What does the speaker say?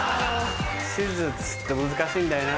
「手術」って難しいんだよな。